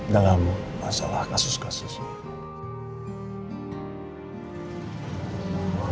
dalam masalah kasus kasus ini